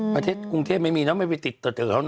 อาทิตย์กรุงเทพฯไม่มีเนอะไม่ไปติดต่อเจอแล้วเนอะ